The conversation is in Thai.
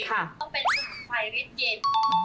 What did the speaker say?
ก็เป็นสมุนไพรเล็ดเย็น